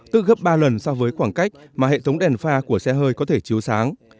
tức gấp ba lần so với khoảng cách mà hệ thống đèn pha của xe hơi có thể chiếu sáng